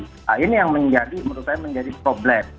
nah ini yang menurut saya menjadi problem